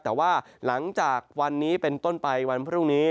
แต่ว่าหลังจากวันนี้เป็นต้นไปวันพรุ่งนี้